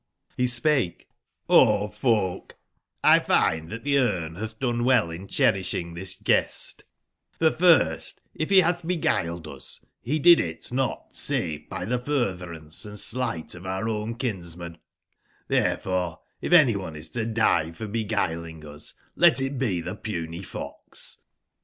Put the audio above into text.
T)c spake: '*0 folk, 1 find tbat the Cme bath done well in cherishing tbis guest, for first, if be bath beguiled us, be did it not save by tbe furtherance and sleight of ourown kinsman ; there fore if anyone is to die for beguiling us, let it be tbe puny fox.